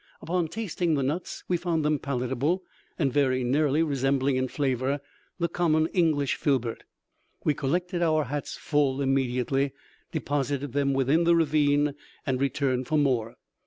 Upon tasting the nuts we found them palatable, and very nearly resembling in flavour the common English filbert. We collected our hats full immediately, deposited them within the ravine, and returned for more.